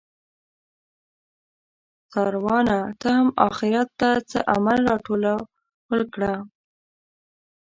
څاروانه ته هم اخیرت ته څه عمل راټول کړه